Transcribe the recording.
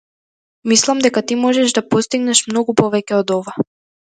Мислам дека ти можеш да постигнеш многу повеќе од ова.